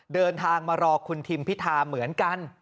เดินทางมารอคุณทิมพิธาเหมือนกัน